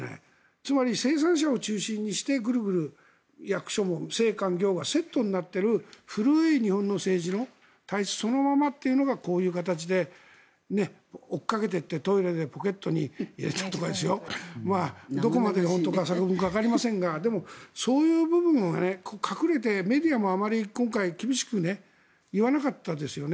つまり生産者を中心にしてグルグル役所も政官業がセットになっている古い日本の政治体質がそのままというのがこの形で追っかけていってトイレでポケットに入れたとかどこまで本当かわかりませんがでも、そういう部分を隠れてメディアも、あまり今回厳しく言わなかったですよね。